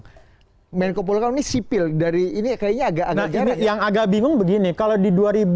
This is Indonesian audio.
mas bambang menko polhukam sipil dari ini kayaknya agak agak yang agak bingung begini kalau di dua ribu empat belas